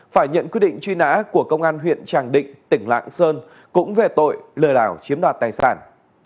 phải nhận quyết định truy nã của công an huyện tràng định tỉnh lạng sơn cũng về tội lừa đảo chiếm đoạt tài sản